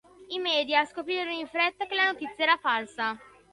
I media scoprirono in fretta che la notizia era falsa.